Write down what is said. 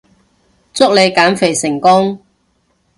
祝你減肥成功